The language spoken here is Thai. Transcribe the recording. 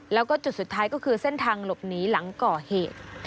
แล้วก็จุดสุดท้ายก็คือเส้นทางหลบหนีหลังก่อเหตุ